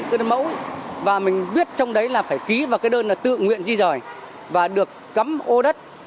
đơn mẫu ý và mình viết trong đấy là phải ký vào cái đơn là tự nguyện di rời và được cắm ô đất